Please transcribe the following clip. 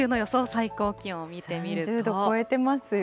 最高気温を見てみ３０度超えてますよ。